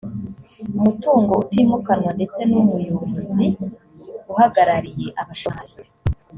umutungo utimukanwa ndetse numuyobozi uhagarariye abashoramari